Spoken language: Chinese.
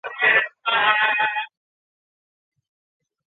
唐朝属江南西道。